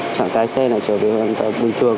thì chạy xe này trở về bình thường